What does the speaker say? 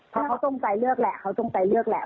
เพราะเขาจงใจเลือกแหละเขาจงใจเลือกแหละ